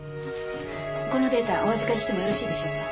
このデータお預かりしてもよろしいでしょうか？